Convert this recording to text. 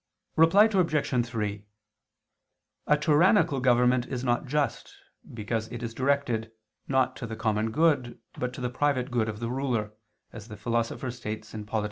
Reply Obj. 3: A tyrannical government is not just, because it is directed, not to the common good, but to the private good of the ruler, as the Philosopher states (Polit.